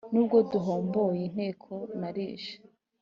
N’ubwo duhomboye inteko nalishe.